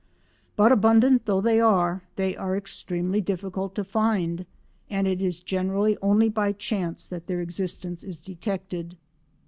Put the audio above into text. But abundant though they are, they are extremely difficult to find, and it is generally only by chance that their existence is detected.